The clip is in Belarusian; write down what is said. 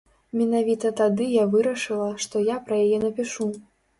Менавіта тады я вырашыла, што я пра яе напішу.